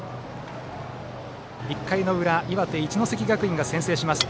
１回の裏、岩手・一関学院が先制します。